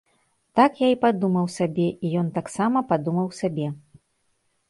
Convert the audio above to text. Так я і падумаў сабе, і ён таксама падумаў сабе.